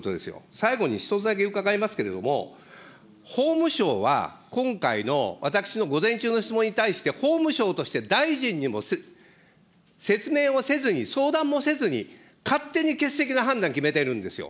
最後に１つだけ伺いますけれども、法務省は、今回の私の午前中の質問に対して、法務省として大臣にも説明をせずに、相談もせずに、勝手に欠席の判断を決めてるんですよ。